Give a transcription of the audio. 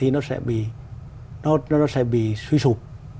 nó sẽ bị suy sụp